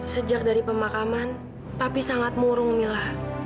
sejak dari pemakaman papi sangat murung mila